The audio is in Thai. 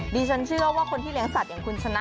ดิฉันเชื่อว่าคนที่เลี้ยสัตว์อย่างคุณชนะ